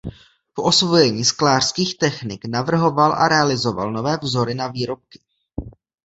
Po osvojení sklářských technik navrhoval a realizoval nové vzory na výrobky.